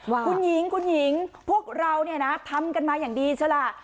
คุณหญิงคุณหญิงพวกเราเนี่ยนะทำกันมาอย่างดีใช่ล่ะ